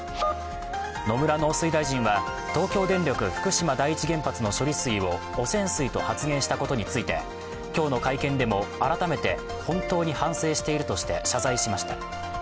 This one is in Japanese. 野村農水大臣は東京電力福島第一原発の処理水を汚染水と発言したことについて今日の会見でも改めて本当に反省しているとして謝罪しました。